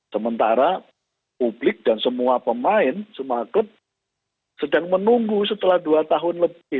sementara publik dan semua pemain semua klub sedang menunggu setelah dua tahun lebih